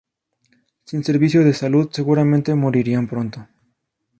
Sin servicios de salud, seguramente morirán pronto.